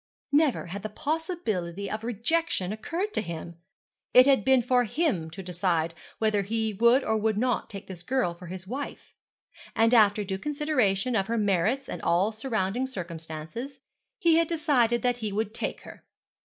Never had the possibility of rejection occurred to him. It had been for him to decide whether he would or would not take this girl for his wife; and after due consideration of her merits and all surrounding circumstances, he had decided that he would take her.